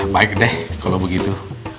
baik deh kalo begitu